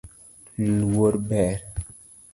Luor ber